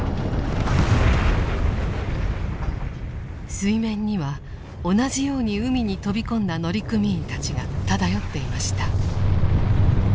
水面には同じように海に飛び込んだ乗組員たちが漂っていました。